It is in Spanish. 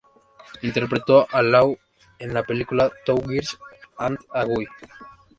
Interpretó a Lou en la película "Two Girls and a Guy".